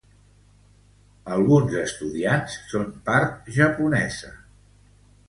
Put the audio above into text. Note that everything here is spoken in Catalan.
Alguns estudiants són part japonesa.